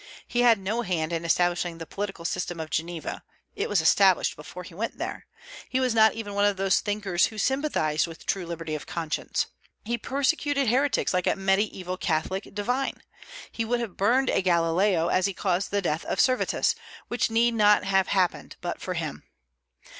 He had no hand in establishing the political system of Geneva; it was established before he went there. He was not even one of those thinkers who sympathized with true liberty of conscience. He persecuted heretics like a mediaeval Catholic divine. He would have burned a Galileo as he caused the death of Servetus, which need not have happened but for him.